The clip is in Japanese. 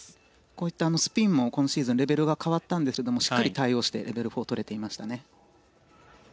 こういったスピンも今シーズンはレベルが変わったんですがしっかり対応してレベル４が取れていましたね。